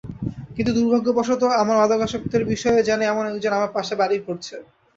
কিন্তু দুর্ভাগ্যবশত আমার মাদকাসক্তের বিষয়ে জানে এমন একজন আমার পাশে বাড়ি করছে।